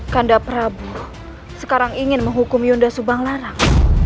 kanda prabu sekarang ingin menghukum yunda subanglarang